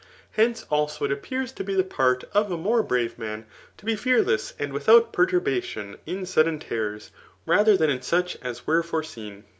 Hence also it appears to be the part of a more brave man, to be fearless and without pertu]i>ation in sudden terrors, rather than in such as were foreseen.